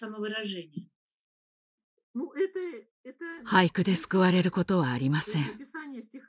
俳句で救われることはありません。